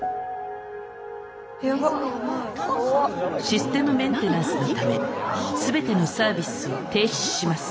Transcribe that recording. システムメンテナンスのため全てのサービスを停止します。